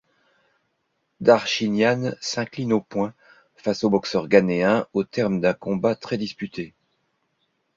Darchinyan s'incline aux points face au boxeur ghanéen au terme d'un combat très disputé.